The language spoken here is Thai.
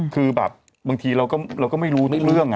คือบางทีเราก็ไม่รู้เรื่องนี่